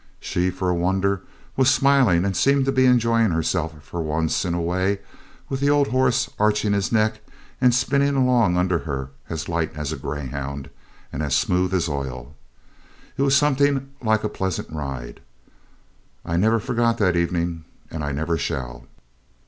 She, for a wonder, was smiling, and seemed to be enjoying herself for once in a way, with the old horse arching his neck, and spinning along under her as light as a greyhound, and as smooth as oil. It was something like a pleasant ride. I never forgot that evening, and I never shall.